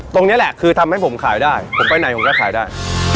ตรงนี้แหละคือทำให้ผมขายได้ผมไปไหนผมก็ขายได้